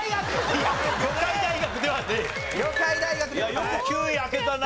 いやよく９位開けたな。